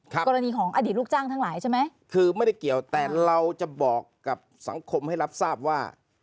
กรณีของอดีตลูกจ้างทั้งหลายใช่ไหมคือไม่ได้เกี่ยวแต่เราจะบอกกับสังคมให้รับทราบว่า